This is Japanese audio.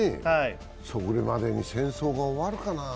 それまでに戦争が終わるかな。